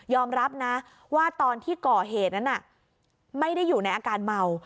รับนะว่าตอนที่ก่อเหตุนั้นไม่ได้อยู่ในอาการเมา